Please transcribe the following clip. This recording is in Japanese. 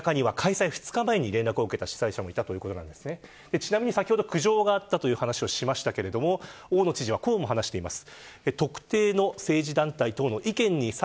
ちなみに先ほど苦情があったという話をしましたけれども大野知事はこうも話しています。